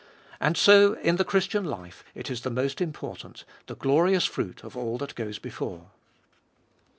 And so in the Christian life it is the most important, the glorious fruit of all that goes before.